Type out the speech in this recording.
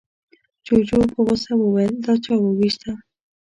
جوجو په غوسه وويل، دا چا ووېشته؟